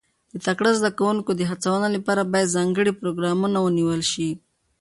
د تکړه زده کوونکو د هڅونې لپاره باید ځانګړي پروګرامونه ونیول شي.